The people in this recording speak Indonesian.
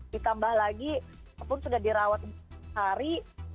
ditambah lagi apapun sudah dirawat sehari